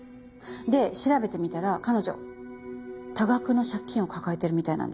で調べてみたら彼女多額の借金を抱えてるみたいなんです。